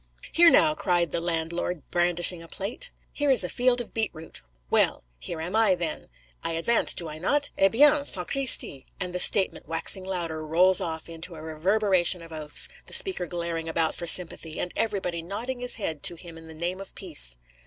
'Here now,' cried the landlord, brandishing a plate, 'here is a field of beet root. Well. Here am I then. I advance, do I not? Eh bien! sacristi,' and the statement, waxing louder, rolls off into a reverberation of oaths, the speaker glaring about for sympathy, and everybody nodding his head to him in the name of peace.